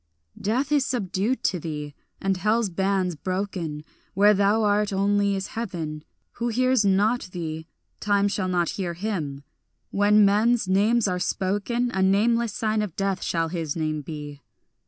Death is subdued to thee, and hell's bands broken; Where thou art only is heaven; who hears not thee, Time shall not hear him; when men's names are spoken, A nameless sign of death shall his name be.